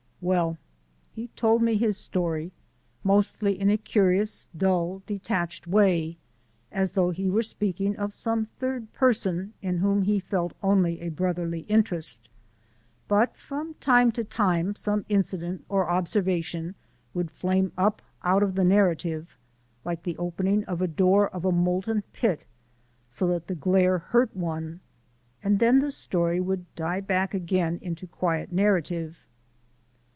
Well, he told me his story, mostly in a curious, dull, detached way as though he were speaking of some third person in whom he felt only a brotherly interest, but from time to time some incident or observation would flame up out of the narrative, like the opening of the door of a molten pit so that the glare hurt one! and then the story would die back again into quiet narrative.